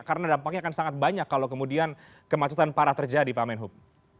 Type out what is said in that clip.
karena dampaknya akan sangat banyak kalau kemudian kemacetan parah terjadi pak menhub